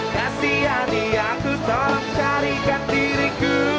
hati hati aku tolong carikan diriku